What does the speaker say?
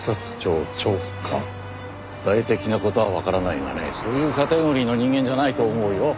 具体的な事はわからないがねそういうカテゴリーの人間じゃないと思うよ